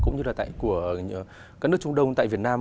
cũng như là tại của các nước trung đông tại việt nam